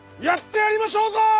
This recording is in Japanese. やってやりましょうぞ！